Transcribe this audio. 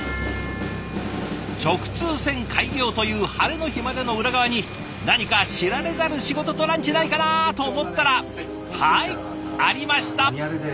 直通線開業という晴れの日までの裏側に何か知られざる仕事とランチないかなと思ったらはいありました。